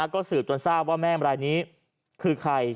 ก็สืบจนทราบว่าแม่มรายนี้คือใคร